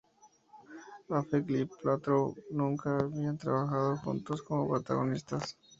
Affleck y Paltrow nunca habían trabajado juntos como protagonistas.